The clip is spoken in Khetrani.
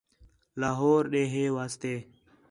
لاہور ݙے ہِے واسطے